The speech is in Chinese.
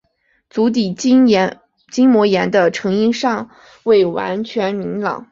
足底筋膜炎的成因尚未完全明朗。